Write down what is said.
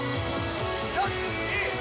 よしいい！